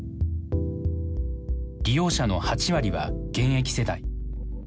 利用者の８割は現役世代。